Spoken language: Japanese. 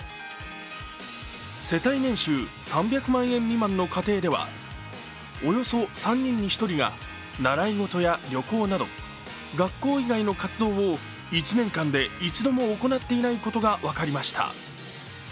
世帯年収３００万円未満の家庭ではおよそ３人に１人が習い事や旅行など、学校以外の活動を１年間で一度も行っていないことが分かりました。